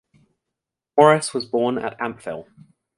Morris was born at Ampthill.